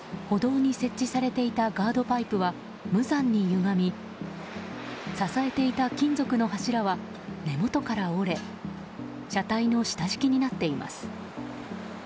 歩道に設置されていたガードパイプは無残にゆがみ支えていた金属の柱は根元から折れ車体の下敷きになっています。